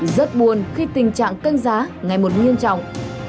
rất buồn khi tình trạng canh giá ngày một nghiêm trọng